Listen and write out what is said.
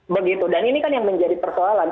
begitu dan ini kan yang menjadi persoalan